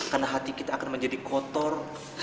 karena hati kita akan menjadi kotor